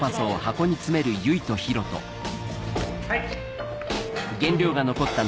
・はい！